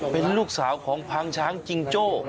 เป็นลูกสาวของพังช้างจิงโจ้